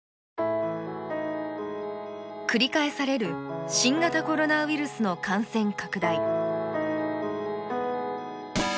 繰り返される新型コロナウイルスの感染拡大。